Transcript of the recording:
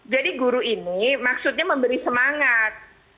guru ini maksudnya memberi semangat